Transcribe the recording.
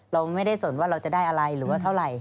เราไม่ได้สนว่าเราจะได้อะไรหรือว่าเท่าไหร่